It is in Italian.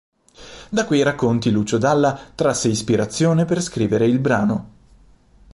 Da quei racconti Lucio Dalla trasse ispirazione per scrivere il brano.